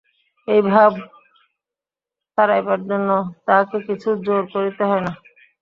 এই ভাব তাড়াইবার জন্য তাহাকে কিছু জোর করিতে হয় না।